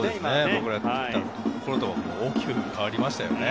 僕らがいたころと大きく変わりましたね。